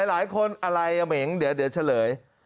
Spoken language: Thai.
หลายคนอะไรเหม็งเดี๋ยวเฉลย